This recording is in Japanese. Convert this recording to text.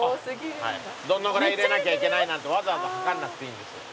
どのぐらい入れなきゃいけないなんてわざわざ量らなくていいんですよ。